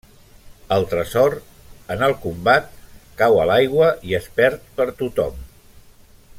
El tresor, en el combat, cau a l'aigua i es perd per tothom.